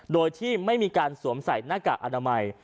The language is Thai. โดยที่ไม่มีการสวมใส่หน้ากากอนามัย